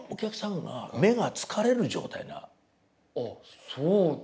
あっそうですか。